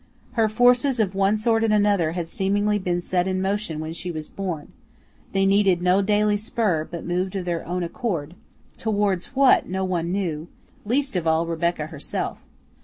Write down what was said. Her forces of one sort and another had seemingly been set in motion when she was born; they needed no daily spur, but moved of their own accord towards what no one knew, least of all Rebecca herself.